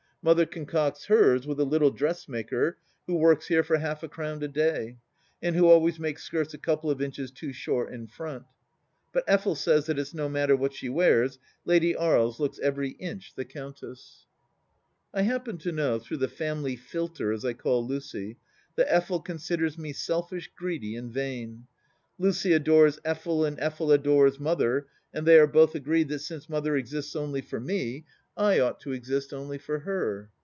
Mother concocts hers with a little dressmaker who works here for half a crown a day, and who always makes skirts a couple of inches too short in front. But Effel says that it's no matter what she wears. Lady Aries looks every inch the countess. I happen to know, through the Family Filter, as I call Lucy, that Effel considers me selfish, greedy, and vain Lucy adores Effel and Effel adores Mother, and they are both agreed that since Mother exists only for me, I ought THE LAST DITCH 89 to exist only for her.